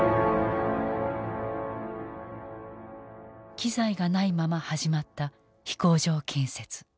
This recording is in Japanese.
機材がないまま始まった飛行場建設。